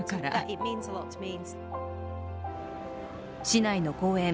市内の公園